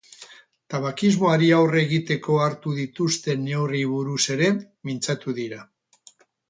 Tabakismoari aurre egiteko hartu dituzten neurriei buruz ere mintzatu dira.